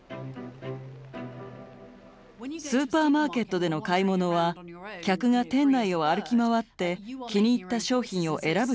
スーパーマーケットでの買い物は客が店内を歩き回って気に入った商品を選ぶスタイルです。